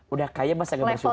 udah kaya masih nggak bersyukur